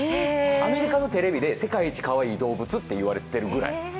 アメリカのテレビで世界一かわいい動物って言われてるぐらい。